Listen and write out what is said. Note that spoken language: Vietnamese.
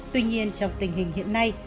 tuy nhiên trong tình hình hiện nay